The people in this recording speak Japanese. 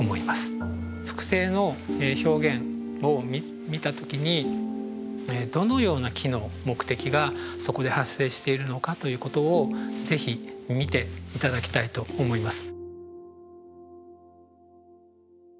複製の表現を見た時にどのような機能目的がそこで発生しているのかということを是非見ていただきたいと思います。